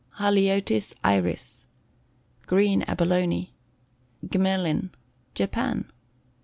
Haliotis Iris. Green Abalone. Gmelin. Japan.